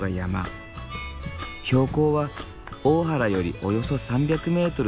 標高は大原よりおよそ３００メートル